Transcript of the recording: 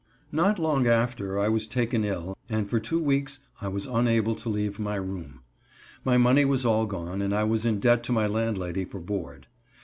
Not long after I was taken ill, and for two weeks I was unable to leave my room. My money was all gone and I was in debt to my landlady for board.